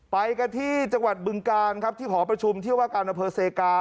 ไปกันที่จังหวัดบึงกาลครับที่หอประชุมเที่ยวว่าการอำเภอเซกา